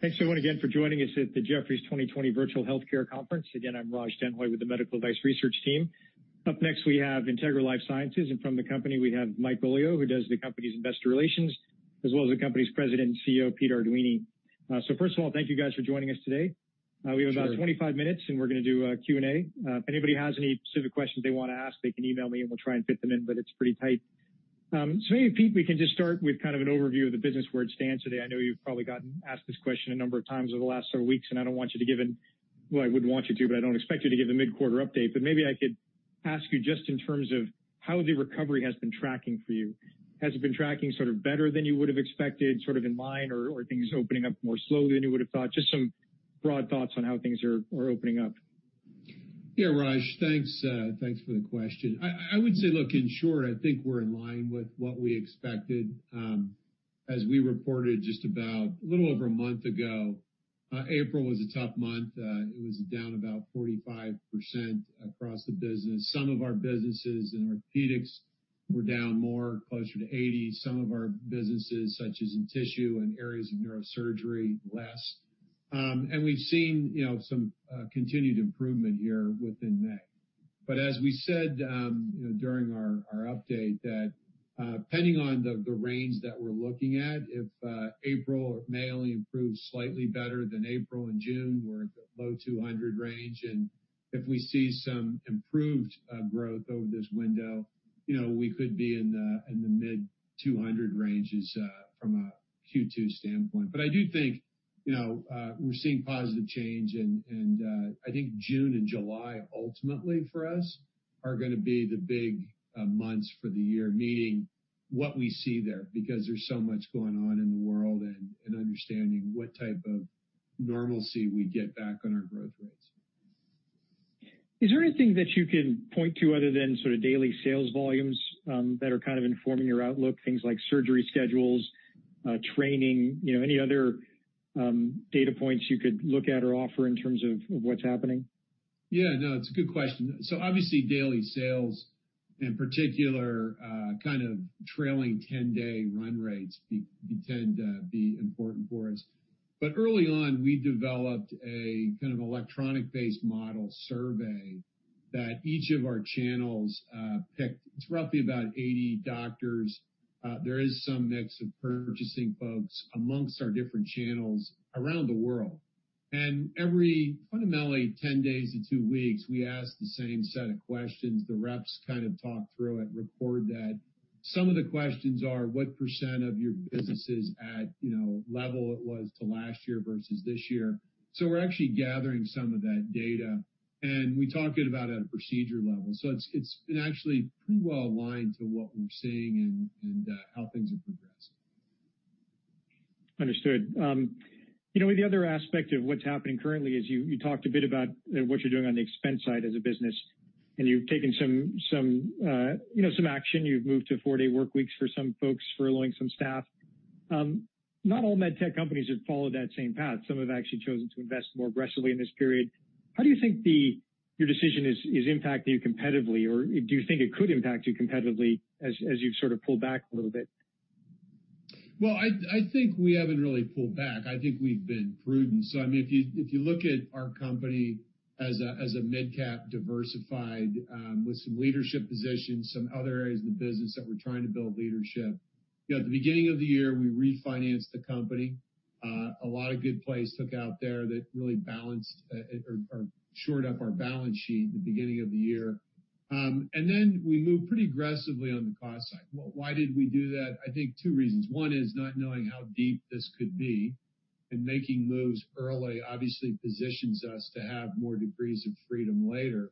Thanks everyone again for joining us at the Jefferies 2020 Virtual Healthcare Conference. Again, I'm Raj Denhoy with the Medical Device Research Team. Up next, we have Integra LifeSciences, and from the company, we have Michael Beaulieu, who does the company's investor relations, as well as the company's President and CEO, Peter Arduini. So first of all, thank you guys for joining us today. We have about 25 minutes, and we're going to do a Q&A. If anybody has any specific questions they want to ask, they can email me, and we'll try and fit them in, but it's pretty tight. So maybe, Peter, we can just start with kind of an overview of the business where it stands today. I know you've probably gotten asked this question a number of times over the last several weeks, and I don't want you to give, I wouldn't want you to, but I don't expect you to give a mid-quarter update, but maybe I could ask you just in terms of how the recovery has been tracking for you. Has it been tracking sort of better than you would have expected, sort of in line, or are things opening up more slowly than you would have thought? Just some broad thoughts on how things are opening up. Yeah, Raj, thanks for the question. I would say, look, in short, I think we're in line with what we expected. As we reported just about a little over a month ago, April was a tough month. It was down about 45% across the business. Some of our businesses in orthopedics were down more, closer to 80%. Some of our businesses, such as in tissue and areas of neurosurgery, less, and we've seen some continued improvement here within May, but as we said during our update, that depending on the range that we're looking at, if May only improve slightly better than April and June, we're in the low $200 range. And if we see some improved growth over this window, we could be in the mid-$200 ranges from a Q2 standpoint. But I do think we're seeing positive change, and I think June and July ultimately for us are going to be the big months for the year, meaning what we see there, because there's so much going on in the world and understanding what type of normalcy we get back on our growth rates. Is there anything that you can point to other than sort of daily sales volumes that are kind of informing your outlook, things like surgery schedules, training, any other data points you could look at or offer in terms of what's happening? Yeah, no, it's a good question. So obviously, daily sales in particular, kind of trailing 10-day run rates tend to be important for us. But early on, we developed a kind of electronic-based model survey that each of our channels picked. It's roughly about 80 doctors. There is some mix of purchasing folks amongst our different channels around the world. And every fundamentally 10 days to two weeks, we ask the same set of questions. The reps kind of talk through it, record that. Some of the questions are, what percent of your business is at level it was to last year versus this year? So we're actually gathering some of that data, and we talk it about at a procedure level. So it's been actually pretty well aligned to what we're seeing and how things are progressing. Understood. You know, the other aspect of what's happening currently is you talked a bit about what you're doing on the expense side as a business, and you've taken some action. You've moved to four-day work weeks for some folks, furloughing some staff. Not all med tech companies have followed that same path. Some have actually chosen to invest more aggressively in this period. How do you think your decision is impacting you competitively, or do you think it could impact you competitively as you've sort of pulled back a little bit? Well, I think we haven't really pulled back. I think we've been prudent. So I mean, if you look at our company as a mid-cap diversified with some leadership positions, some other areas of the business that we're trying to build leadership. At the beginning of the year, we refinanced the company. A lot of good plays took out there that really balanced or shored up our balance sheet at the beginning of the year. And then we moved pretty aggressively on the cost side. Why did we do that? I think two reasons. One is not knowing how deep this could be, and making moves early obviously positions us to have more degrees of freedom later.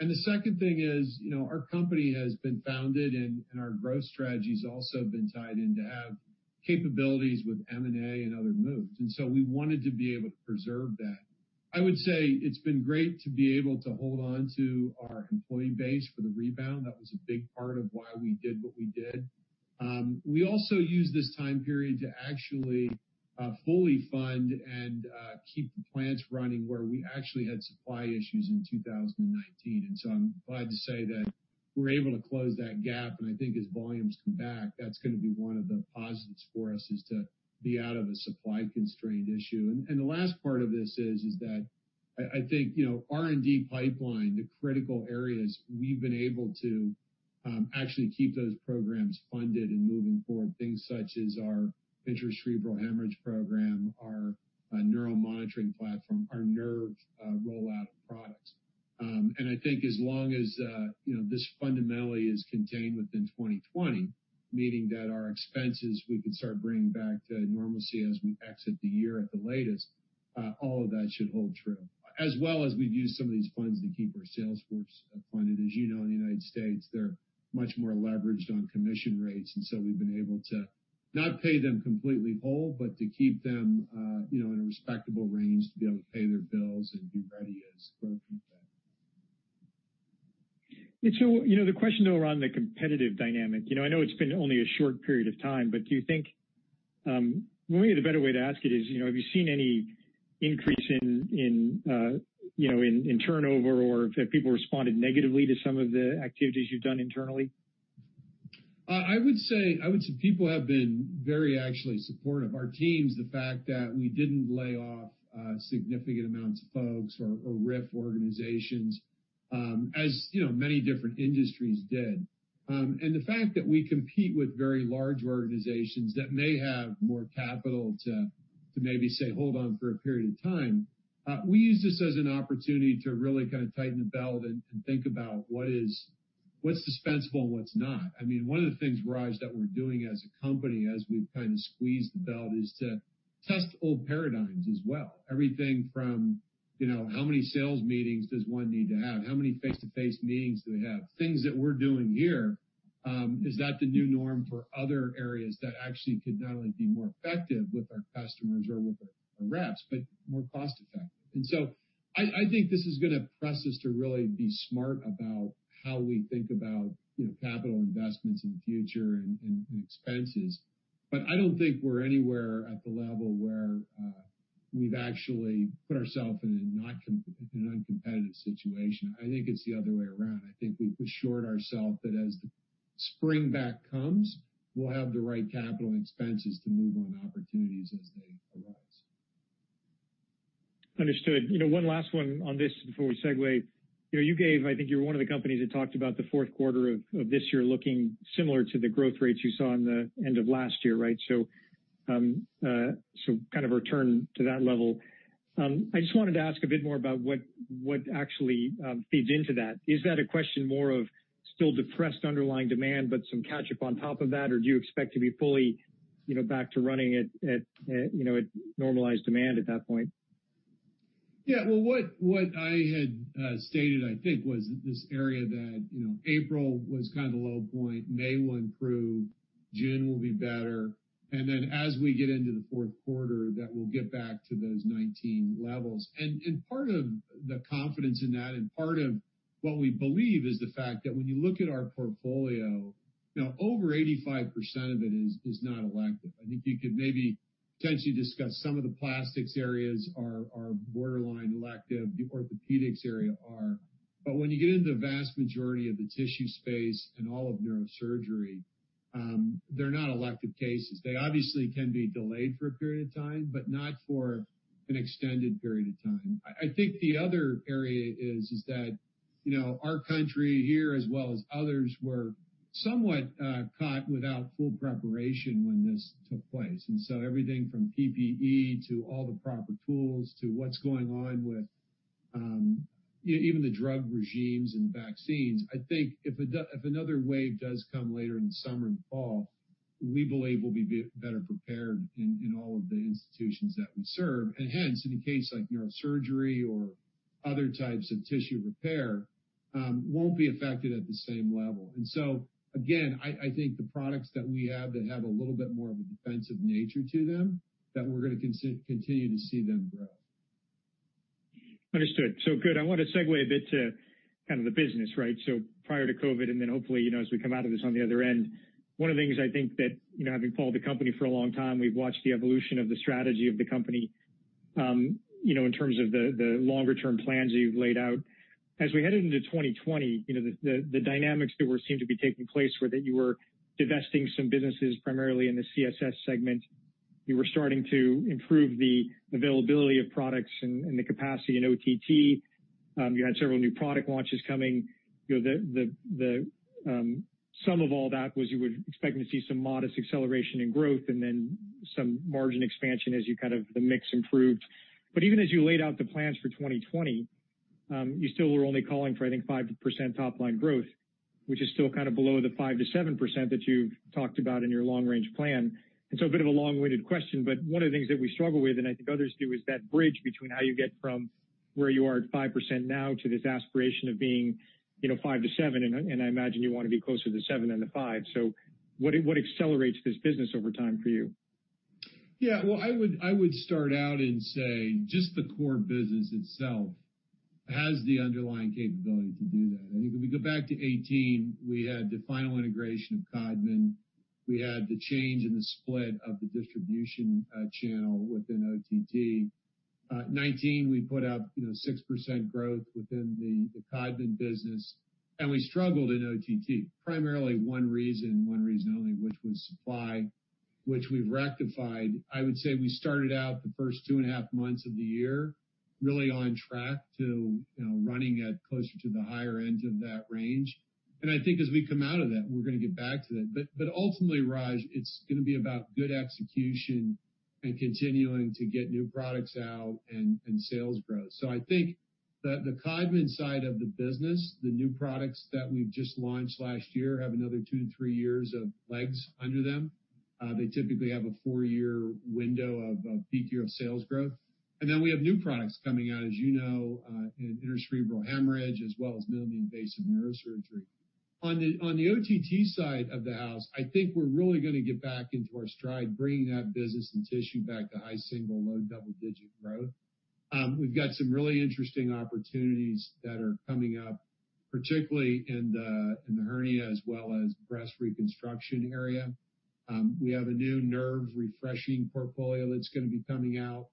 And the second thing is our company has been founded, and our growth strategy has also been tied in to have capabilities with M&A and other moves. And so we wanted to be able to preserve that. I would say it's been great to be able to hold on to our employee base for the rebound. That was a big part of why we did what we did. We also used this time period to actually fully fund and keep the plants running where we actually had supply issues in 2019. And so I'm glad to say that we're able to close that gap. And I think as volumes come back, that's going to be one of the positives for us is to be out of a supply-constrained issue. And the last part of this is that I think R&D pipeline, the critical areas, we've been able to actually keep those programs funded and moving forward, things such as our intracerebral hemorrhage program, our neuromonitoring platform, our nerve rollout of products. I think as long as this fundamentally is contained within 2020, meaning that our expenses, we can start bringing back to normalcy as we exit the year at the latest, all of that should hold true. As well as we've used some of these funds to keep our sales force funded. As you know, in the United States, they're much more leveraged on commission rates. So we've been able to not pay them completely whole, but to keep them in a respectable range to be able to pay their bills and be ready as growth comes back. So the question around the competitive dynamic, I know it's been only a short period of time, but do you think maybe the better way to ask it is, have you seen any increase in turnover or have people responded negatively to some of the activities you've done internally? I would say people have been very actually supportive. Our teams, the fact that we didn't lay off significant amounts of folks or RIF organizations, as many different industries did, and the fact that we compete with very large organizations that may have more capital to maybe say hold on for a period of time, we use this as an opportunity to really kind of tighten the belt and think about what's dispensable and what's not. I mean, one of the things, Raj, that we're doing as a company as we've kind of squeezed the belt is to test old paradigms as well. Everything from how many sales meetings does one need to have? How many face-to-face meetings do we have? Things that we're doing here, is that the new norm for other areas that actually could not only be more effective with our customers or with our reps, but more cost-effective? And so I think this is going to press us to really be smart about how we think about capital investments in the future and expenses. But I don't think we're anywhere at the level where we've actually put ourselves in an uncompetitive situation. I think it's the other way around. I think we've assured ourselves that as the spring back comes, we'll have the right capital and expenses to move on opportunities as they arise. Understood. One last one on this before we segue. You gave, I think you were one of the companies that talked about the fourth quarter of this year looking similar to the growth rates you saw in the end of last year, right? So kind of return to that level. I just wanted to ask a bit more about what actually feeds into that. Is that a question more of still depressed underlying demand, but some catch-up on top of that, or do you expect to be fully back to running at normalized demand at that point? Yeah, well, what I had stated, I think, was this area that April was kind of a low point, May will improve, June will be better. And then as we get into the fourth quarter, that we'll get back to those '19 levels. And part of the confidence in that and part of what we believe is the fact that when you look at our portfolio, over 85% of it is not elective. I think you could maybe potentially discuss some of the plastics areas are borderline elective, the orthopedics area are. But when you get into the vast majority of the tissue space and all of neurosurgery, they're not elective cases. They obviously can be delayed for a period of time, but not for an extended period of time. I think the other area is that our country here, as well as others, were somewhat caught without full preparation when this took place. And so everything from PPE to all the proper tools to what's going on with even the drug regimes and vaccines, I think if another wave does come later in the summer and fall, we believe we'll be better prepared in all of the institutions that we serve. And hence, in a case like neurosurgery or other types of tissue repair, won't be affected at the same level. And so again, I think the products that we have that have a little bit more of a defensive nature to them, that we're going to continue to see them grow. Understood. So good. I want to segue a bit to kind of the business, right? So prior to COVID, and then hopefully as we come out of this on the other end, one of the things I think that having followed the company for a long time, we've watched the evolution of the strategy of the company in terms of the longer-term plans that you've laid out. As we headed into 2020, the dynamics that were seemed to be taking place were that you were divesting some businesses primarily in the CSS segment. You were starting to improve the availability of products and the capacity in OTT. You had several new product launches coming. The sum of all that was you were expecting to see some modest acceleration in growth and then some margin expansion as you kind of the mix improved. But even as you laid out the plans for 2020, you still were only calling for, I think, 5% top-line growth, which is still kind of below the 5%-7% that you've talked about in your long-range plan. And so a bit of a long-winded question, but one of the things that we struggle with, and I think others do, is that bridge between how you get from where you are at 5% now to this aspiration of being 5%-7%. And I imagine you want to be closer to 7% than the 5%. So what accelerates this business over time for you? Yeah, well, I would start out and say just the core business itself has the underlying capability to do that. I think if we go back to 2018, we had the final integration of Codman. We had the change in the split of the distribution channel within OTT. 2019, we put up 6% growth within the Codman business. And we struggled in OTT. Primarily one reason, one reason only, which was supply, which we've rectified. I would say we started out the first two and a half months of the year really on track to running at closer to the higher end of that range. And I think as we come out of that, we're going to get back to that. But ultimately, Raj, it's going to be about good execution and continuing to get new products out and sales growth. So I think the Codman side of the business, the new products that we've just launched last year have another two to three years of legs under them. They typically have a four-year window of peak year of sales growth, and then we have new products coming out, as you know, in intracerebral hemorrhage as well as minimally invasive neurosurgery. On the OTT side of the house, I think we're really going to get back into our stride, bringing that business and tissue back to high single, low double-digit growth. We've got some really interesting opportunities that are coming up, particularly in the hernia as well as breast reconstruction area. We have a new nerve refreshing portfolio that's going to be coming out.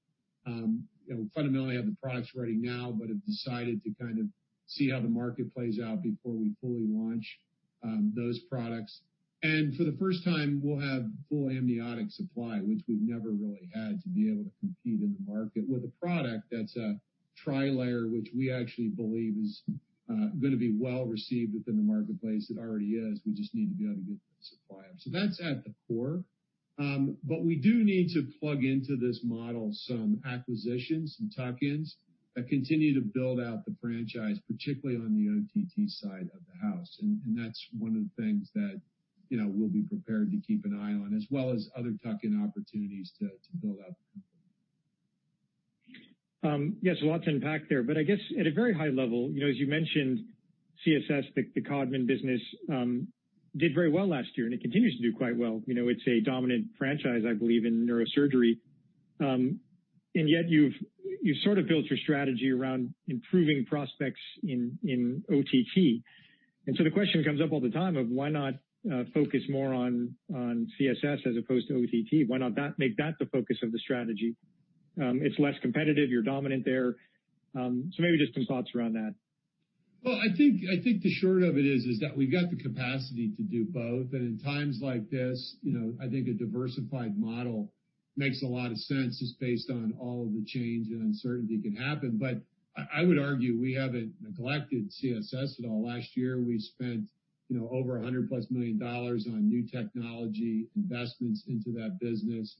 Fundamentally, I have the products ready now, but have decided to kind of see how the market plays out before we fully launch those products. And for the first time, we'll have full amniotic supply, which we've never really had to be able to compete in the market with a product that's a tri-layer, which we actually believe is going to be well received within the marketplace. It already is. We just need to be able to get the supply up. So that's at the core. But we do need to plug into this model some acquisitions, some tuck-ins that continue to build out the franchise, particularly on the OTT side of the house. And that's one of the things that we'll be prepared to keep an eye on, as well as other tuck-in opportunities to build out the company. Yeah, so lots of impact there. But I guess at a very high level, as you mentioned, CSS, the Codman business did very well last year, and it continues to do quite well. It's a dominant franchise, I believe, in neurosurgery. And yet you've sort of built your strategy around improving prospects in OTT. And so the question comes up all the time of why not focus more on CSS as opposed to OTT? Why not make that the focus of the strategy? It's less competitive. You're dominant there. So maybe just some thoughts around that. I think the short of it is that we've got the capacity to do both. And in times like this, I think a diversified model makes a lot of sense just based on all of the change and uncertainty that can happen. But I would argue we haven't neglected CSS at all. Last year, we spent over $100-plus million on new technology investments into that business.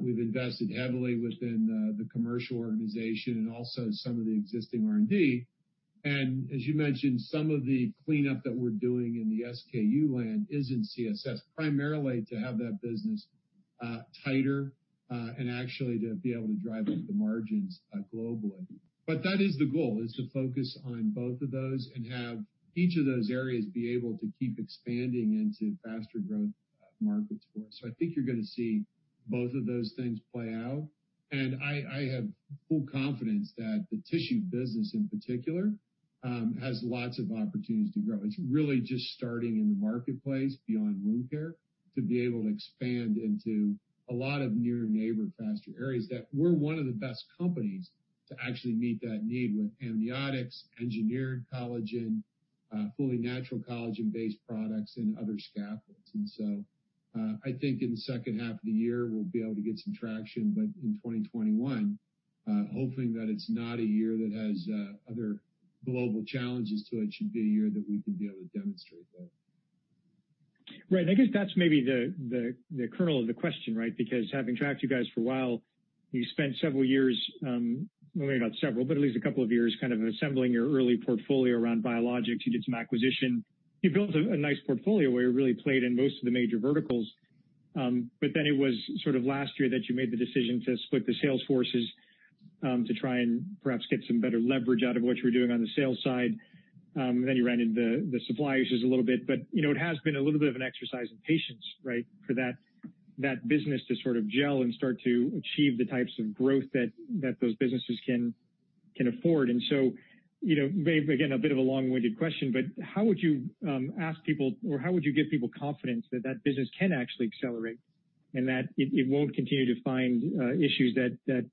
We've invested heavily within the commercial organization and also some of the existing R&D. And as you mentioned, some of the cleanup that we're doing in the SKU land is in CSS, primarily to have that business tighter and actually to be able to drive up the margins globally. But that is the goal, is to focus on both of those and have each of those areas be able to keep expanding into faster growth markets for us. I think you're going to see both of those things play out. I have full confidence that the tissue business in particular has lots of opportunities to grow. It's really just starting in the marketplace beyond wound care to be able to expand into a lot of near-neighbor faster areas that we're one of the best companies to actually meet that need with amniotics, engineered collagen, fully natural collagen-based products, and other scaffolds. I think in the second half of the year, we'll be able to get some traction. In 2021, hoping that it's not a year that has other global challenges to it, should be a year that we can be able to demonstrate that. Right. I guess that's maybe the kernel of the question, right? Because having tracked you guys for a while, you spent several years, not several, but at least a couple of years kind of assembling your early portfolio around biologics. You did some acquisition. You built a nice portfolio where you really played in most of the major verticals. But then it was sort of last year that you made the decision to split the sales forces to try and perhaps get some better leverage out of what you were doing on the sales side. Then you ran into the supply issues a little bit. But it has been a little bit of an exercise in patience, right, for that business to sort of gel and start to achieve the types of growth that those businesses can afford. And so maybe, again, a bit of a long-winded question, but how would you ask people or how would you give people confidence that that business can actually accelerate and that it won't continue to find issues that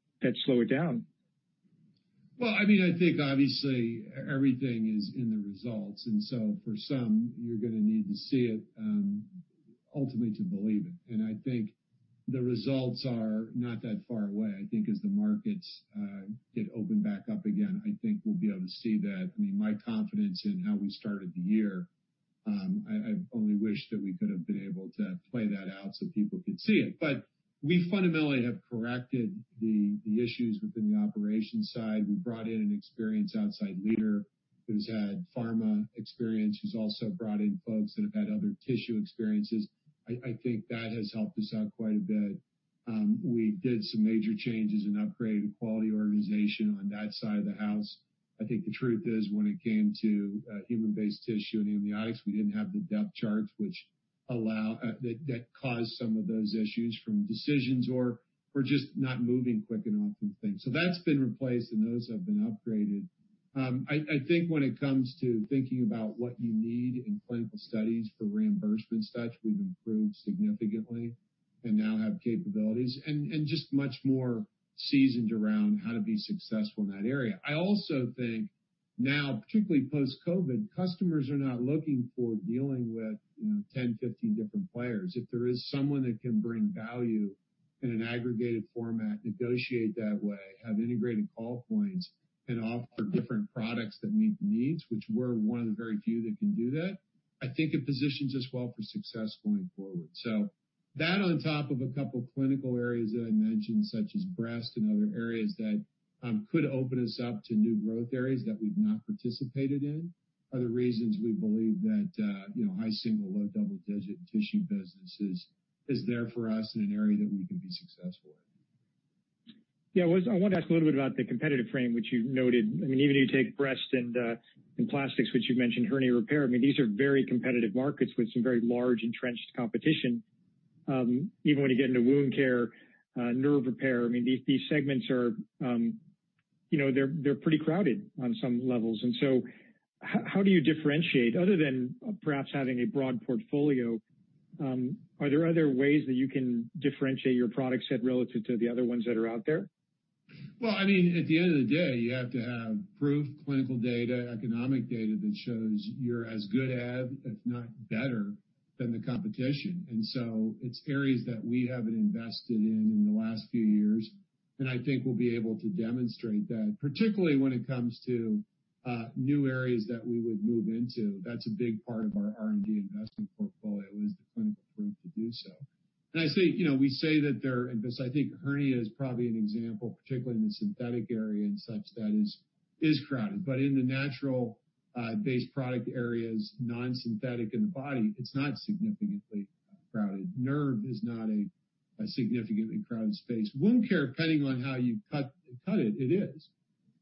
slow it down? Well, I mean, I think obviously everything is in the results. And so for some, you're going to need to see it ultimately to believe it. And I think the results are not that far away. I think as the markets get opened back up again, I think we'll be able to see that. I mean, my confidence in how we started the year, I only wish that we could have been able to play that out so people could see it. But we fundamentally have corrected the issues within the operations side. We brought in an experienced outside leader who's had pharma experience, who's also brought in folks that have had other tissue experiences. I think that has helped us out quite a bit. We did some major changes and upgraded the quality organization on that side of the house. I think the truth is when it came to human-based tissue and amniotics, we didn't have the depth charts, which caused some of those issues from decisions or just not moving quick enough and things. So that's been replaced, and those have been upgraded. I think when it comes to thinking about what you need in clinical studies for reimbursement and such, we've improved significantly and now have capabilities and just much more seasoned around how to be successful in that area. I also think now, particularly post-COVID, customers are not looking for dealing with 10, 15 different players. If there is someone that can bring value in an aggregated format, negotiate that way, have integrated call points, and offer different products that meet the needs, which we're one of the very few that can do that, I think it positions us well for success going forward. So that, on top of a couple of clinical areas that I mentioned, such as breast and other areas that could open us up to new growth areas that we've not participated in, are the reasons we believe that high single-digit, low double-digit tissue business is there for us in an area that we can be successful in. Yeah. I want to ask a little bit about the competitive frame, which you've noted. I mean, even if you take breast and plastics, which you've mentioned, hernia repair, I mean, these are very competitive markets with some very large entrenched competition. Even when you get into wound care, nerve repair, I mean, these segments, they're pretty crowded on some levels. And so how do you differentiate? Other than perhaps having a broad portfolio, are there other ways that you can differentiate your product set relative to the other ones that are out there? I mean, at the end of the day, you have to have proof, clinical data, economic data that shows you're as good as, if not better, than the competition. And so it's areas that we haven't invested in in the last few years. And I think we'll be able to demonstrate that, particularly when it comes to new areas that we would move into. That's a big part of our R&D investment portfolio is the clinical proof to do so. And I say we say that they're in this. I think hernia is probably an example, particularly in the synthetic area and such that is crowded. But in the natural-based product areas, non-synthetic in the body, it's not significantly crowded. Nerve is not a significantly crowded space. Wound care, depending on how you cut it, it is.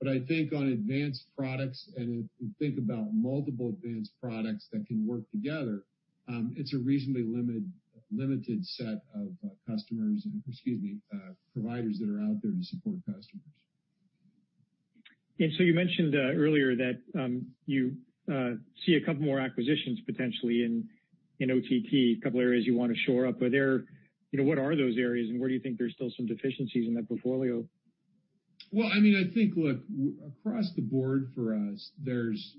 But I think on advanced products and if you think about multiple advanced products that can work together, it's a reasonably limited set of customers and, excuse me, providers that are out there to support customers. And so you mentioned earlier that you see a couple more acquisitions potentially in OTT, a couple of areas you want to shore up. What are those areas, and where do you think there's still some deficiencies in that portfolio? I mean, I think, look, across the board for us, there's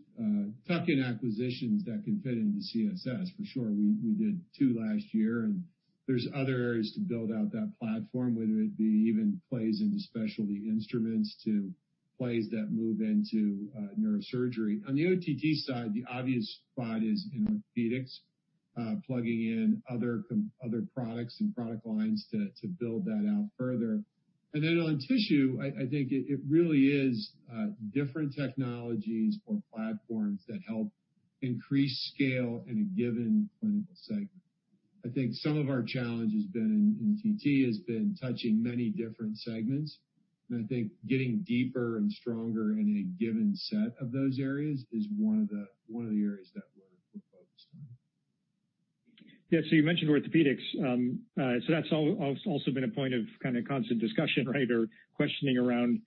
tuck-in acquisitions that can fit into CSS, for sure. We did two last year. There's other areas to build out that platform, whether it be even plays into specialty instruments to plays that move into neurosurgery. On the OTT side, the obvious spot is in orthopedics, plugging in other products and product lines to build that out further. On tissue, I think it really is different technologies or platforms that help increase scale in a given clinical segment. I think some of our challenge has been in TT touching many different segments. I think getting deeper and stronger in a given set of those areas is one of the areas that we're focused on. Yeah. So you mentioned orthopedics. So that's also been a point of kind of constant discussion, right, or questioning around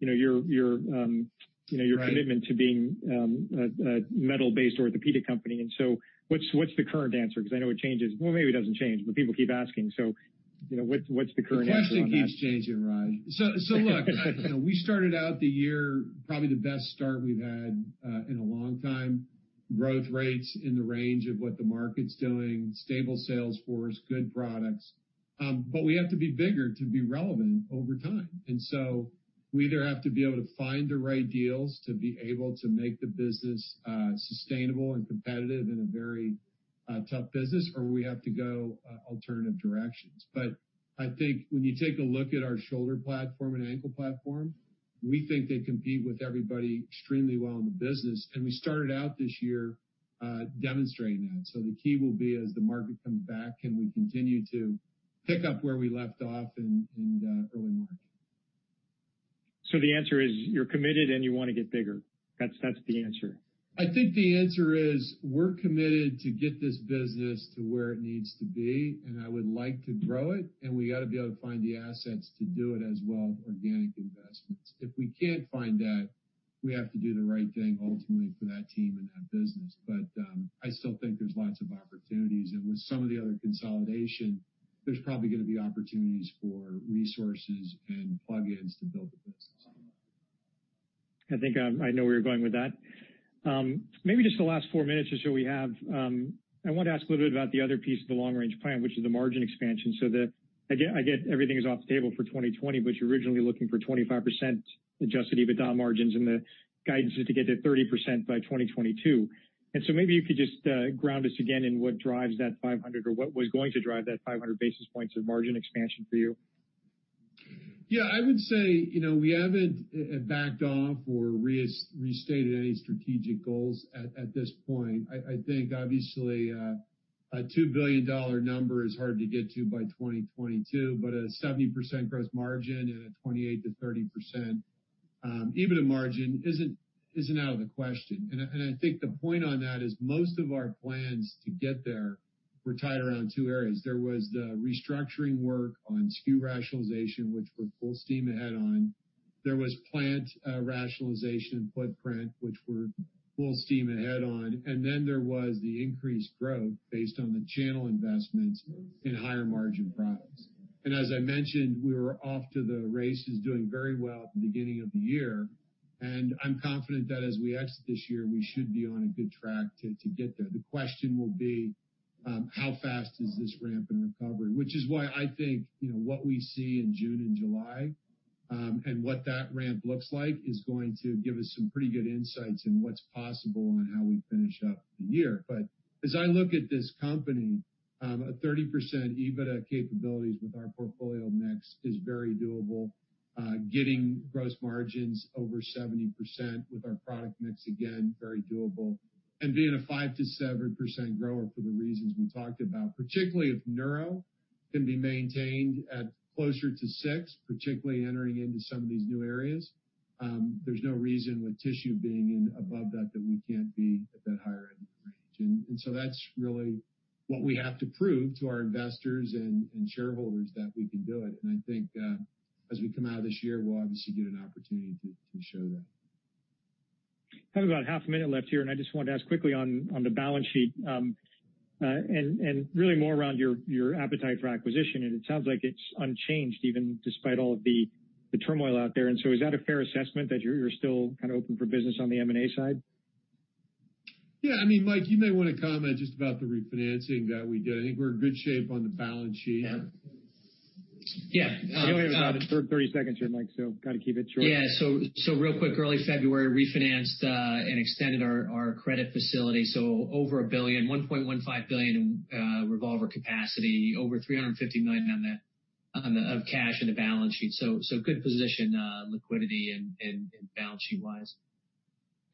your commitment to being a metal-based orthopedic company. And so what's the current answer? Because I know it changes. Well, maybe it doesn't change, but people keep asking. So what's the current answer? The question keeps changing, Raj. So look, we started out the year probably the best start we've had in a long time. Growth rates in the range of what the market's doing, stable sales force, good products. But we have to be bigger to be relevant over time. And so we either have to be able to find the right deals to be able to make the business sustainable and competitive in a very tough business, or we have to go alternative directions. But I think when you take a look at our shoulder platform and ankle platform, we think they compete with everybody extremely well in the business. And we started out this year demonstrating that. So the key will be as the market comes back, can we continue to pick up where we left off in early March? So the answer is you're committed and you want to get bigger. That's the answer. I think the answer is we're committed to get this business to where it needs to be, and I would like to grow it. And we got to be able to find the assets to do it as well as organic investments. If we can't find that, we have to do the right thing ultimately for that team and that business. But I still think there's lots of opportunities. And with some of the other consolidation, there's probably going to be opportunities for resources and plug-ins to build the business. I think I know where you're going with that. Maybe just the last four minutes or so we have, I want to ask a little bit about the other piece of the long-range plan, which is the margin expansion. So I get everything is off the table for 2020, but you're originally looking for 25% adjusted EBITDA margins and the guidance is to get to 30% by 2022. And so maybe you could just ground us again in what drives that 500 or what was going to drive that 500 basis points of margin expansion for you. Yeah. I would say we haven't backed off or restated any strategic goals at this point. I think obviously a $2 billion number is hard to get to by 2022, but a 70% gross margin and a 28%-30% EBITDA margin isn't out of the question. I think the point on that is most of our plans to get there were tied around two areas. There was the restructuring work on SKU rationalization, which we're full steam ahead on. There was plant rationalization and footprint, which we're full steam ahead on. Then there was the increased growth based on the channel investments in higher margin products. And as I mentioned, we were off to the races doing very well at the beginning of the year. And I'm confident that as we exit this year, we should be on a good track to get there. The question will be how fast is this ramp in recovery, which is why I think what we see in June and July and what that ramp looks like is going to give us some pretty good insights in what's possible on how we finish up the year. But as I look at this company, a 30% EBITDA capabilities with our portfolio mix is very doable. Getting gross margins over 70% with our product mix again, very doable. And being a 5%-7% grower for the reasons we talked about, particularly if neuro can be maintained at closer to 6%, particularly entering into some of these new areas, there's no reason with tissue being above that that we can't be at that higher end of the range. And so that's really what we have to prove to our investors and shareholders that we can do it. I think as we come out of this year, we'll obviously get an opportunity to show that. I have about half a minute left here, and I just wanted to ask quickly on the balance sheet and really more around your appetite for acquisition. And it sounds like it's unchanged even despite all of the turmoil out there. And so is that a fair assessment that you're still kind of open for business on the M&A side? Yeah. I mean, Michael, you may want to comment just about the refinancing that we did. I think we're in good shape on the balance sheet. Yeah. We only have about 30 seconds here, Michael, so got to keep it short. Yeah. So real quick, early February, refinanced and extended our credit facility. So over $1 billion, $1.15 billion revolver capacity, over $350 million of cash in the balance sheet. So good position, liquidity and balance sheet-wise.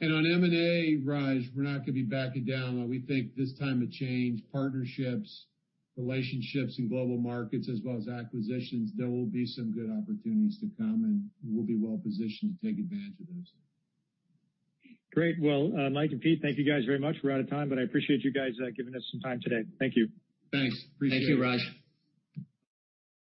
On M&A, Raj, we're not going to be backing down. We think this time of change, partnerships, relationships in global markets, as well as acquisitions, there will be some good opportunities to come, and we'll be well positioned to take advantage of those. Great. Well, Michael and Peter, thank you guys very much. We're out of time, but I appreciate you guys giving us some time today. Thank you. Thanks. Appreciate it. Thank you, Raj.